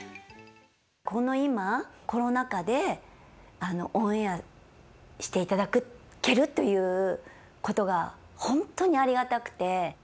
この今コロナ禍でオンエアしていただけるということが本当にありがたくて。